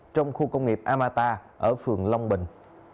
trong khu công nghiệp amata ở phường long bình